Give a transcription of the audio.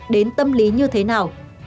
đến tâm lý như thế nào